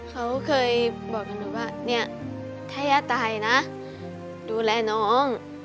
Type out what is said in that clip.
เขาเคยบอกกับหนูว่าเนี่ยถ้าย่าตายนะดูแลน้อง